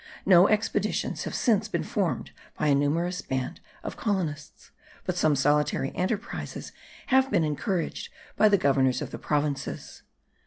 No expeditions have since been formed by a numerous band of colonists; but some solitary enterprises have been encouraged by the governors of the provinces.